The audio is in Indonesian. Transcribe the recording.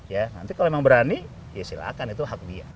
ya nanti kalau memang berani ya silakan itu hak dia